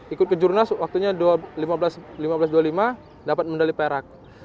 ikut kejurnas waktunya lima belas dua puluh lima dapat medali perak